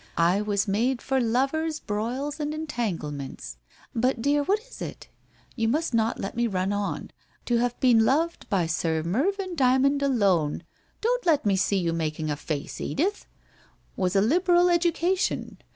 I was made for lovers broils and entanglements. But dear, what is it? You must not let me run on. To have been loved by Sir Mervyn Dymond alone — don't let me see you making a face, Edith !— was a liberal education.